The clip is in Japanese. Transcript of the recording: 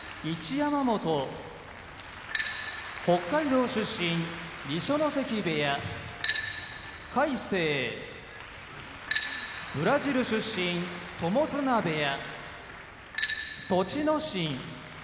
山本北海道出身二所ノ関部屋魁聖ブラジル出身友綱部屋栃ノ心ジョージア出身春日野部屋